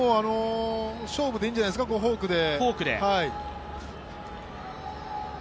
勝負でいいんじゃないですか、フォークで。